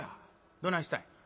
どないしたん？